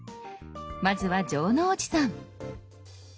まずは城之内さん。